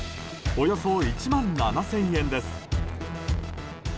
およそ１万７０００円です。